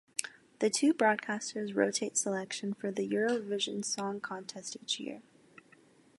The two broadcasters rotate selection for the Eurovision Song Contest each year.